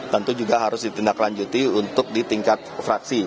tentu juga harus ditindaklanjuti untuk di tingkat fraksi